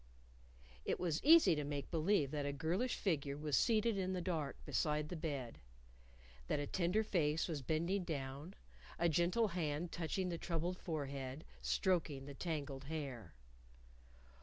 It was easy to make believe that a girlish figure was seated in the dark beside the bed; that a tender face was bending down, a gentle hand touching the troubled forehead, stroking the tangled hair.